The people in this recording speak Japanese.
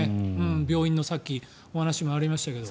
病院のさっきお話もありましたが。